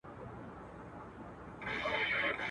ځان ژوندی، جهان ژوندی؛ چي ځان مړ سو، جهان مړ سو.